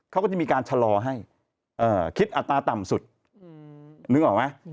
เขาก็จะมีการชะลอให้คิดอัตราต่ำสุดนึกออกไหม